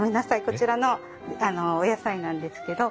こちらのお野菜なんですけど。